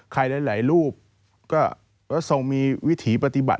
ใครได้หลายรูปก็ส่งมีวิถีปฏิบัติ